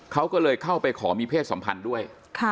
เขาก็เลยเข้าไปขอมีเพศสัมพันธ์ด้วย